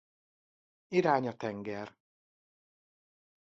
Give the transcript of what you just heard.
Irány a tenger!